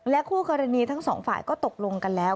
คู่กรณีทั้งสองฝ่ายก็ตกลงกันแล้ว